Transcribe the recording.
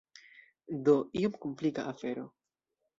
Do, iom komplika afero.